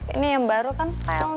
ini yang baru kan